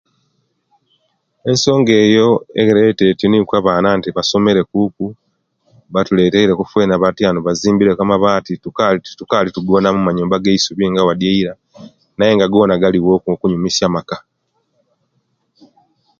Ensonga eyo ereta nti nikwo abaana nti basomere Kuku, batuleeteireku feena atyanu feena tuzimbireku amabaati, tetukaali tetukaali tugona omumanyumba ageisubi nga adi eira; naye nga gonna galiwo okunyumisya amaka.